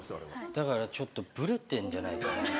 だからちょっとブレてんじゃないかな。